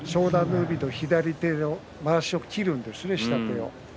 海の左手のまわしを切るんですね。